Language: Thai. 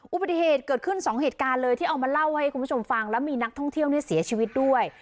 อุบัติเหตุเกิดขึ้นสองเหตุการณ์เลยที่เอามาเล่าให้คุณผู้ชมฟังแล้วมีนักท่องเที่ยวเนี่ยเสียชีวิตด้วย